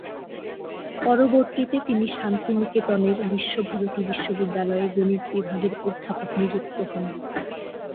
পরবর্তীতে তিনি শান্তিনিকেতনের বিশ্বভারতী বিশ্ববিদ্যালয়ে গণিত বিভাগের অধ্যাপক নিযুক্ত হন।